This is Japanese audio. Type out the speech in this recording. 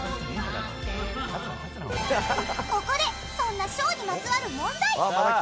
ここでそんなショーにまつわる問題！